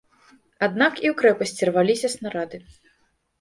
Аднак і ў крэпасці рваліся снарады.